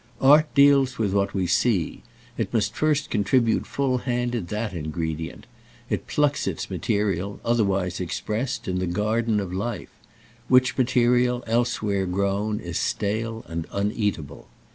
Art deals with what we see, it must first contribute full handed that ingredient; it plucks its material, otherwise expressed, in the garden of life—which material elsewhere grown is stale and uneatable.